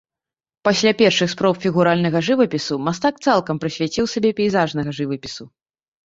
Пасля першых спроб фігуральнага жывапісу мастак цалкам прысвяціў сябе пейзажнага жывапісу.